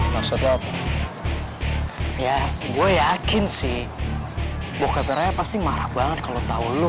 maksud lo apa ya gue yakin sih bokeh peraya pasti marah banget kalau tahu lo